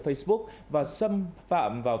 facebook và xâm phạm vào